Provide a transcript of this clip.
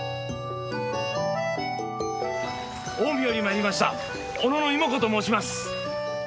近江より参りました小野妹子と申します。